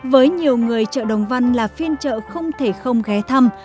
với nhiều người chợ đồng văn là phiên chợ không thể không ghé thăm